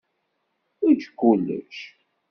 Eǧǧ kullec.